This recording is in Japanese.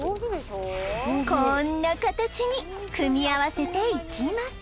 こんな形に組み合わせていきます